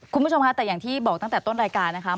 คุณผู้ชมค่ะแต่อย่างที่บอกตั้งแต่ต้นรายการนะคะ